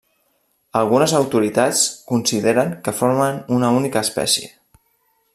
Algunes autoritats consideren que formen una única espècie.